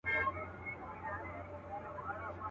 ته خبر نه وي ما سندري درته کړلې اشنا.